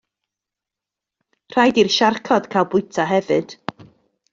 Rhaid i'r siarcod gael bwyta hefyd.